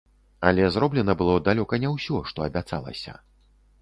Але зроблена было далёка не ўсё, што абяцалася.